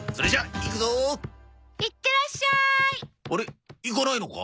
行かないのか？